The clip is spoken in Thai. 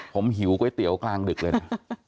ผมหิวก๋วยเตี๋ยวกลางดึกเลยนะ